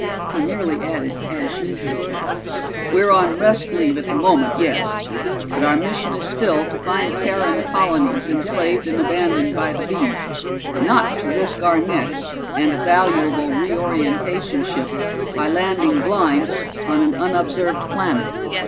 He nearly added as usual. "We're on rest leave at the moment, yes, but our mission is still to find Terran colonies enslaved and abandoned by the Bees, not to risk our necks and a valuable Reorientations ship by landing blind on an unobserved planet.